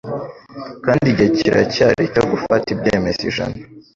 Kandi igihe kiracyari cyo gufata ibyemezo ijana,